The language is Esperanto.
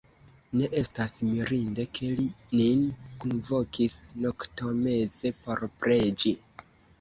Ne estas mirinde, ke li nin kunvokis noktomeze por preĝi.